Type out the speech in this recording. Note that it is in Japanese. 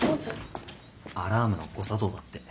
アラームの誤作動だって。